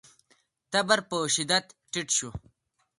تبر په شدت ټيټ شو.